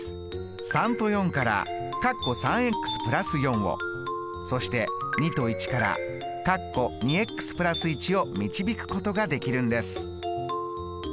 ３と４からをそして２と１からを導くことができるんです。